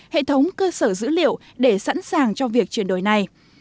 hệ thống cơ sở dữ liệu để sẵn sàng cho việc chuyển đổi này